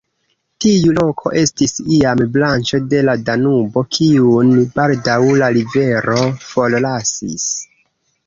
Tiu loko estis iam branĉo de la Danubo, kiun baldaŭ la rivero forlasis.